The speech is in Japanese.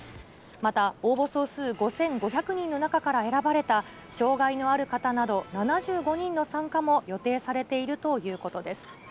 また、応募総数５５００人の中から選ばれた障がいのある方など７５人の参加も予定されているということです。